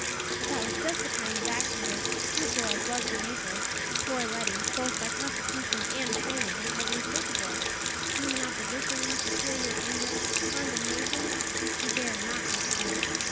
But that was just the kind of action of which, truthful as was her nature, poor Letty, both by constitution and training, was incapable; human opposition, superior anger, condemnation, she dared not encounter.